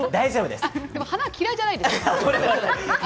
花、嫌いじゃないんですよ。